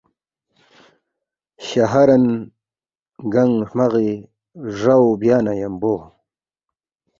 شہارن گنگ ہرمغی ڈراو بیانا یمبو